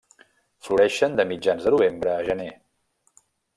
Floreixen de mitjans de novembre a gener.